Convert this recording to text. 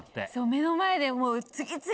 目の前で。